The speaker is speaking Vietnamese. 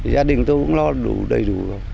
gia đình tôi cũng lo đầy đủ